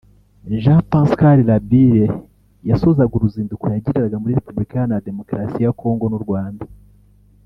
Jean-Pascal Labille yasozaga uruzinduko yagiriraga muri Repubulika Iharanira Demukarasi ya Congo n’u Rwanda